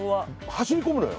走り込むのよ。